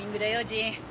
ジン。